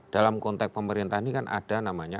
dalam konteks pemerintah ini kan ada namanya